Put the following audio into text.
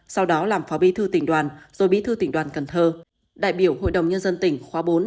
sau đó làm phó bí thư tỉnh đoàn rồi bí thư tỉnh đoàn cần thơ đại biểu hội đồng nhân dân tỉnh khóa bốn